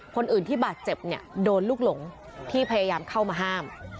คนอื่นที่บาดเจ็บเนี่ยโดนลูกหลงที่พยายามเข้ามาห้าม